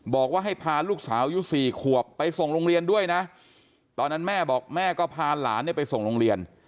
บอกว่าให้พาลูกสาวยุค๔ขวบไปส่งโรงเรียนด้วยนะตอนนั้นแม่บอกแม่ก็พาหลานเนี่ยไปส่งโรงเรียน